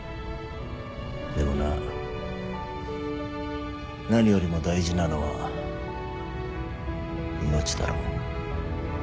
でもな何よりも大事なのは命だろ。